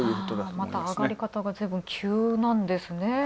上がり方が、また急なんですね。